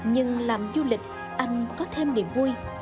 nhưng làm du lịch anh có thêm niềm vui